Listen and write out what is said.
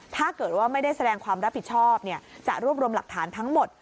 ถ้าเกิดว่าไม่ได้แสดงความรับผิดชอบจะรวบรวมหลักฐานทั้งหมด